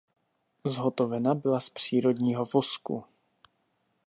Zhotovena byla z přírodního vosku.